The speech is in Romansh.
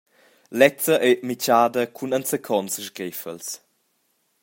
Lezza ei mitschada cun enzacons sgreffels.